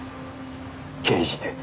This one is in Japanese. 刑事です。